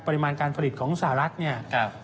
ปริมาณการผลิตของสหรัฐเนี่ย